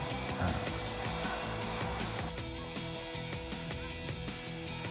อ่า